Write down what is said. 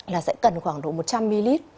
là sẽ cần khoảng độ một trăm linh ml